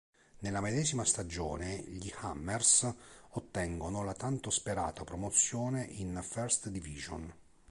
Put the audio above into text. Nella medesima stagione gli "Hammers" ottengono la tanto sperata promozione in First Division.